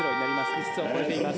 ５つを超えています。